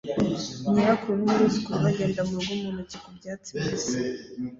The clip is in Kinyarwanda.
Nyirakuru n'umwuzukuru bagenda murugo mu ntoki ku byatsi bibisi